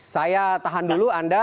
saya tahan dulu anda